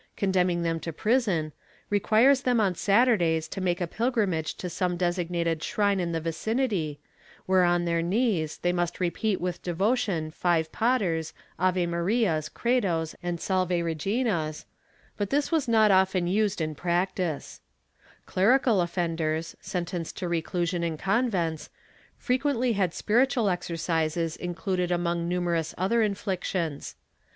132 MiyOR PENALTIES [Book VII condemning them to prison, requires them on Saturdays to make a pilgrimage to some designated shrine in the vicinity, where on their knees they must repeat with devotion five Paters, Ave Marias, Credos and Salve Reginas, but this was not often used in practice/ Clerical offenders, sentenced to reclusion in convents, frequently had spiritual exercises included among numerous other inflictions.